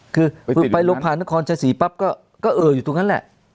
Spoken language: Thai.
คือไปหลบผ่านณคล์ชายศรีปั๊บก็เอ่ออยู่ตรงนั้นแหละ